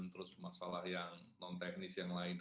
terus masalah yang non teknis yang lain